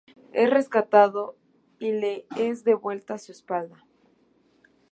Es rescatado y le es devuelta su espada.